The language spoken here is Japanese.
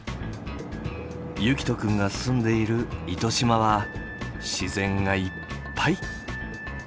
結季斗くんが住んでいる糸島は自然がいっぱい。